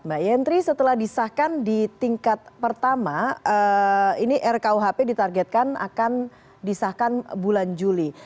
mbak yentri setelah disahkan di tingkat pertama ini rkuhp ditargetkan akan disahkan bulan juli